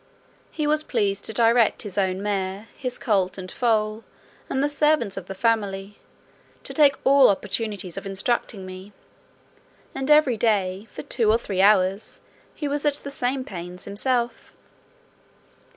He was pleased to direct his own mare, his colt, and foal, and the servants of the family, to take all opportunities of instructing me; and every day, for two or three hours, he was at the same pains himself.